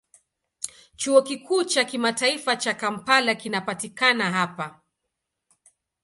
Chuo Kikuu cha Kimataifa cha Kampala kinapatikana hapa.